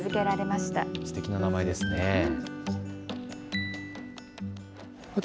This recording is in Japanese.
すてきな名前ですねえ。